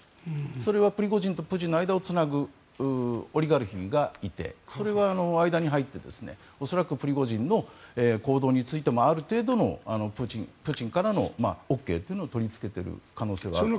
それはプリゴジンとプーチンの間をつなぐオリガルヒがいてそれが間に入って恐らくプリゴジンの行動についてもある程度のプーチンからのＯＫというのを取り付けている可能性があります。